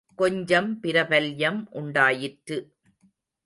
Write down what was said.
கொஞ்சம் பிரபல்யம் உண்டாயிற்று.